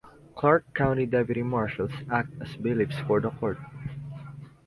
Clark County Deputy Marshals act as bailiffs for the court.